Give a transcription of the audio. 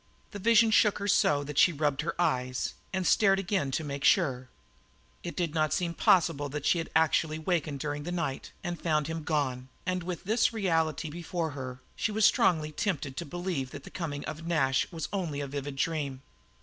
The vision shook her so that she rubbed her eyes and stared again to make sure. It did not seem possible that she had actually wakened during the night and found him gone, and with this reality before her she was strongly tempted to believe that the coming of Nash was only a vivid dream.